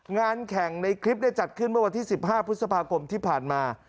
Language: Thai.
งานแข่งในคลิปได้จัดขึ้นเมื่อวันที่๑๕พฤษภาคมที่ผ่านมา